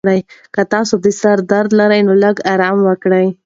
که تاسي د سر درد لرئ، نو لږ ارام وکړئ.